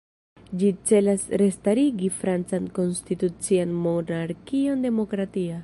Ĝi celas restarigi francan konstitucian monarkion "demokratia".